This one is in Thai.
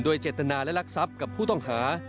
โดยเจตนาและรักทรัพย์กับผู้ต้องหา